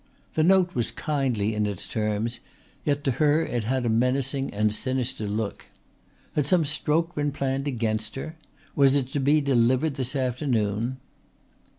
The note was kindly in its terms yet to her it had a menacing and sinister look. Had some stroke been planned against her? Was it to be delivered this afternoon?